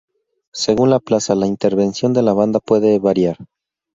Según la plaza, la intervención de la banda puede variar.